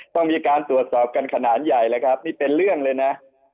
ต้องมีการตรวจสอบกันขนาดใหญ่เลยครับนี่เป็นเรื่องเลยนะ